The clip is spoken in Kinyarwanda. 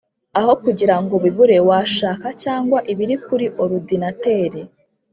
Aho kugira ngo bibure washaka cyangwa ibiri kuri orudinateri